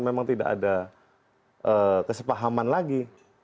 memang tidak ada kesepahaman lagi